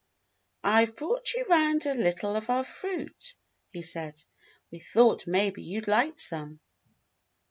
"I've brought you 'round a little of our fruit," he said. "We thought maybe you'd like some."